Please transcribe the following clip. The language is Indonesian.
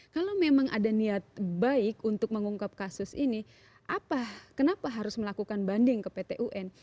kalau memang ada niat baik untuk mengungkap kasus ini apa kenapa harus melakukan banding ke pt un